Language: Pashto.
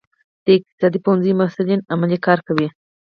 د اقتصاد پوهنځي محصلین عملي کار کوي؟